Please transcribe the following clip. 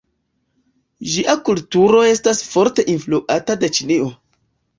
Ĝia kulturo estas forte influata de Ĉinio.